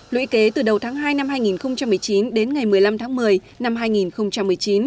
lũy kế từ đầu tháng hai năm hai nghìn một mươi chín đến ngày một mươi năm tháng một mươi năm hai nghìn một mươi chín